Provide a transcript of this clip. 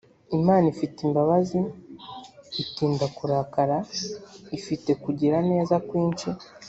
imana ifite imbabazi itinda kurakara ifite kugira neza kwinshi